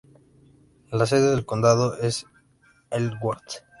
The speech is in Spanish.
La sede de condado es Ellsworth.